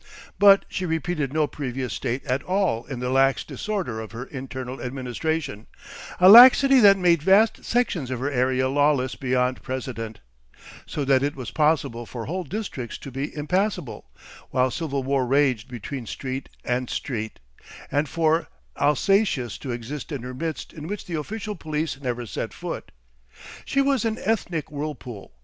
But she repeated no previous state at all in the lax disorder of her internal administration, a laxity that made vast sections of her area lawless beyond precedent, so that it was possible for whole districts to be impassable, while civil war raged between street and street, and for Alsatias to exist in her midst in which the official police never set foot. She was an ethnic whirlpool.